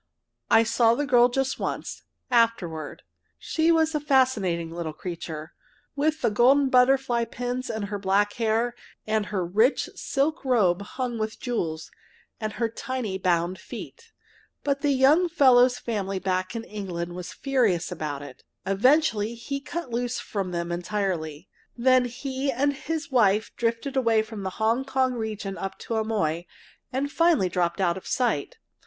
I saw the girl just once afterward. She was a fascinating little creature, with the golden butterfly pins in her black hair, and her rich silk robe hung with jewels, and her tiny bound feet. But the young fellow's family back in England was furious about it. Eventually, he cut loose from them entirely. Then he and his wife drifted away from the Hong Kong region up to Amoy, and finally dropped out of sight.